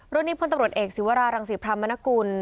รวดนี้พลตำรวจเอกศิวรารังศีพรรมมนาคกุล